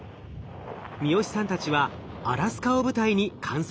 三好さんたちはアラスカを舞台に観測に挑みました。